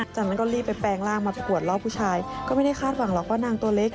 จากนั้นก็รีบไปแปลงร่างมาประกวดรอบผู้ชายก็ไม่ได้คาดหวังหรอกว่านางตัวเล็ก